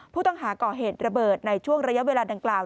ผู้ต้องหาก่อเหตุระเบิดในช่วงระยะเวลาดังกล่าว